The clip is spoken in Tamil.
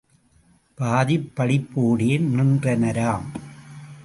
பாதிப் படிப்போடே நின்றனராம்.